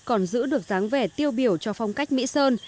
còn giữ được dáng vẻ tiêu biểu cho phong cách mỹ sơn